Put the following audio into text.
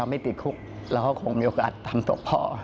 ตอนนี้ที่เราก้าวเข้าสู่เรือนจำค่ะสิ่งที่ที่เป็นห่วงมากที่สุดคืออะไรค่ะ